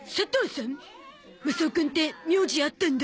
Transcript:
マサオくんって名字あったんだ。